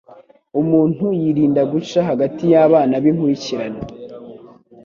Umuntu yirinda guca hagati y’abana b’inkurikirane,